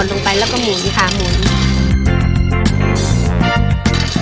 อ๋อปวดลงไปแล้วก็หมุนค่ะหมุน